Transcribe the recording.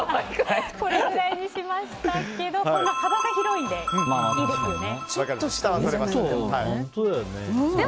これぐらいにしましたけど幅がひろいので、いいですよね。